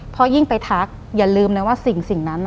เพราะยิ่งไปทักอย่าลืมนะว่าสิ่งนั้น